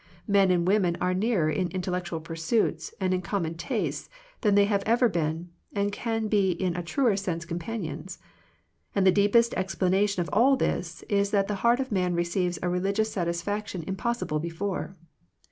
Men and women are nearer in intellectual pursuits and in common tastes than they have ;ver been, and can be in a truer sense companions. And the deepest explana tion of all is that the heart of man re ceives a religious satisfaction impossible before.